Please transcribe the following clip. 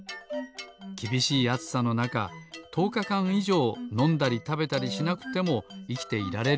きびしいあつさのなかとおかかんいじょうのんだりたべたりしなくてもいきていられるんですって。